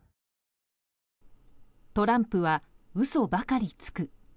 トランプは嘘ばかりつく。